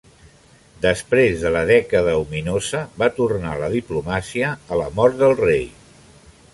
Després de la dècada ominosa, va tornar a la diplomàcia a la mort del rei.